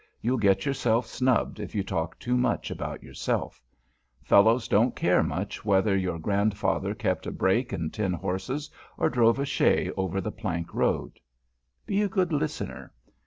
You'll get yourself snubbed if you talk too much about yourself. Fellows don't care much whether your grandfather kept a brake and ten horses, or drove a "shay" over the plank road. Be a good listener.